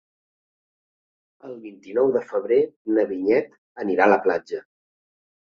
El vint-i-nou de febrer na Vinyet anirà a la platja.